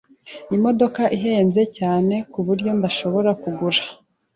Imodoka ihenze cyane kuburyo ntashobora kugura.